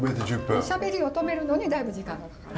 おしゃべりを止めるのにだいぶ時間がかかる。